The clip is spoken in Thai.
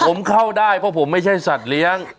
ผมเข้าได้เพราะผมไม่ใช่สัตว์เลี้ยง